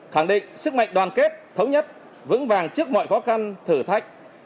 khẳng định sức mạnh đoàn kết thống nhất vững vàng trước mọi khó khăn thử thách